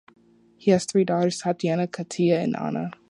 He has three daughters, Tatiana, Katia and Anna.